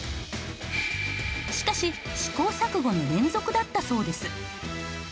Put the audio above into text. しかし試行錯誤の連続だったそうです。